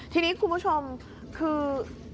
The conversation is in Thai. ทีนี้คุณผู้ชมคือ